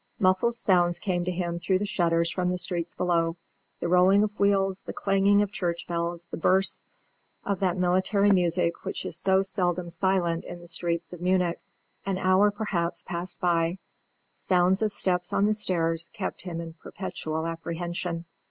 Muffled sounds came to him through the shutters from the streets below the rolling of wheels, the clanging of church bells, and bursts of that military music which is so seldom silent in the streets of Munich. An hour perhaps passed by; sounds of steps on the stairs kept him in perpetual apprehension.